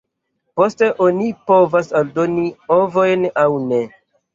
Poste oni povas aldoni ovojn aŭ ne.